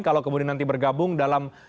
kalau nanti bergabung dalam